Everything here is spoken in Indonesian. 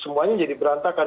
semuanya jadi berantakan